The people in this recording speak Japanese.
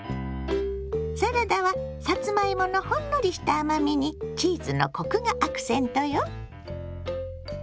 サラダはさつまいものほんのりした甘みにチーズのコクがアクセントよ。